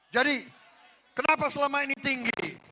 kenapa selama ini tinggi